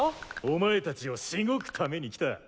お前達をしごくために来た。